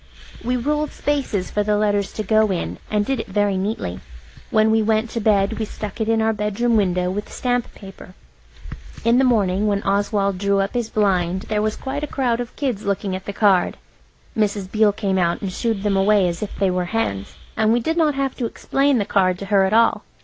We ruled spaces for the letters to go in, and did it very neatly. When we went to bed we stuck it in our bedroom window with stamp paper. In the morning when Oswald drew up his blind there was quite a crowd of kids looking at the card. Mrs. Beale came out and shoo ed them away as if they were hens. And we did not have to explain the card to her at all.